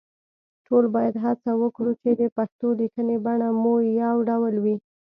ټول باید هڅه وکړو چې د پښتو لیکنې بڼه مو يو ډول وي